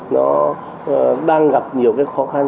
nó đang gặp nhiều cái khó khăn